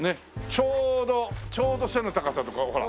ちょうどちょうど背の高さこれほら。